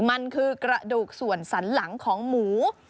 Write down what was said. มันคือกระดูกส่วนสันหลังของหมู